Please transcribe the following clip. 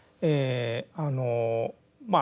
あのまあ